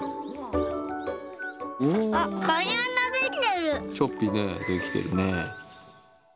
あっ、ちょっとね、出来てるね。